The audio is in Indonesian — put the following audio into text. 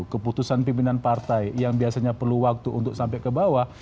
keputusan pimpinan partai yang biasanya perlu waktu untuk sampai ke bawah